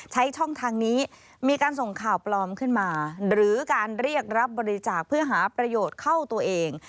ใช้ช่องทางนี้มีการส่งข่าวปลอมขึ้นมาหรือการเรียกรับบริจาคเพื่อหาประโยชน์เข้าตัวเอง